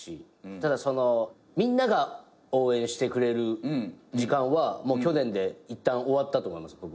ただみんなが応援してくれる時間は去年でいったん終わったと思います。